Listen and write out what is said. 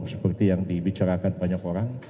seperti yang dibicarakan banyak orang